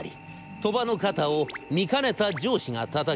鳥羽の肩を見かねた上司がたたきます。